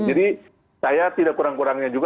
jadi saya tidak kurang kurangnya juga